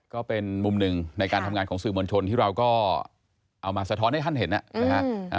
ก็เป็นมุมหนึ่งในการทำงานของสื่อมวลชนที่เราก็เอามาสะท้อนให้ท่านเห็นนะครับ